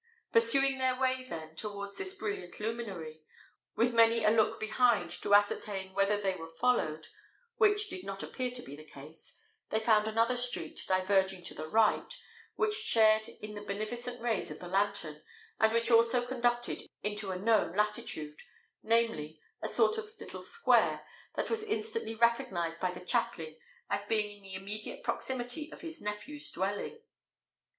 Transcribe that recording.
Pursuing their way, then, towards this brilliant luminary, with many a look behind to ascertain whether they were followed, which did not appear to be the case, they found another street, diverging to the right, which shared in the beneficent rays of the lantern, and which also conducted into a known latitude, namely, a sort of little square, that was instantly recognised by the chaplain as being in the immediate proximity of his nephew's dwelling.